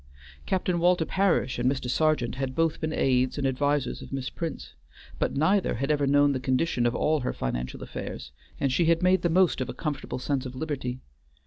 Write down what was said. Captain Walter Parish and Mr. Sergeant had both been aids and advisers of Miss Prince; but neither had ever known the condition of all her financial affairs, and she had made the most of a comfortable sense of liberty.